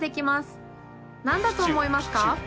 なんだと思いますか？